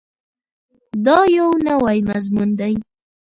دا یو نوی مضمون دی.